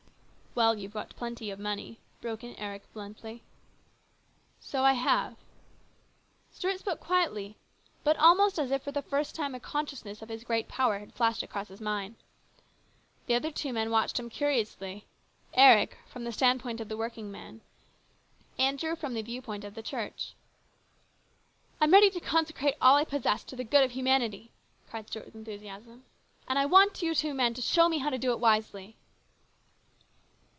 " Well, you've got plenty of money," broke in Eric bluntly. A MEMORABLE NIGHT. 168 " So I have." Stuart spoke quietly, but almost as if for the first time a consciousness of his great power had flashed across his mind. The other two men watched him curiously ; Eric from the stand point of the working man, Andrew from the point of view of the Church. " I'm ready to consecrate all I possess to the good of humanity !" cried Stuart with enthusiasm. " And I want you two men to show me how to do it wisely."